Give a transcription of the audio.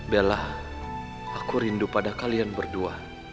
bela aku rindu pada kalian berdua